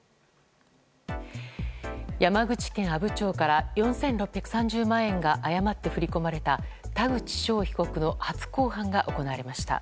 山口県阿武町から４６３０万円が誤って振り込まれた田口翔被告の初公判が行われました。